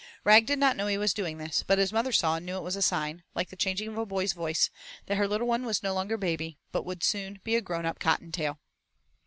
Rag did not know he was doing this, but his mother saw and knew it was a sign, like the changing of a boy's voice, that her little one was no longer a baby but would soon be a grown up Cottontail.